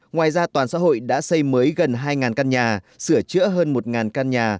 ngoài ra toàn xã hội đã xây mới gần hai căn nhà sửa chữa hơn một căn nhà